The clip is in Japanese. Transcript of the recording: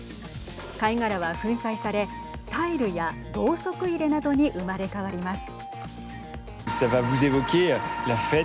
貝殻は粉砕されタイルや、ろうそく入れなどに生まれ変わります。